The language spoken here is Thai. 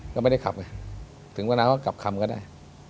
ก็ไม่ได้ขับไงถึงเวลาเขากลับคำก็ได้